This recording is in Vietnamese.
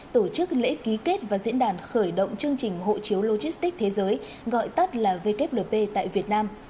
tổ chức lễ ký kết và diễn đàn khởi động chương trình hộ chiếu logistics thế giới gọi tắt là wlp tại việt nam